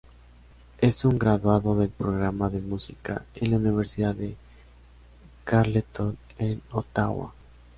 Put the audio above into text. Es un graduado del programa de música en la Universidad de Carleton en Ottawa.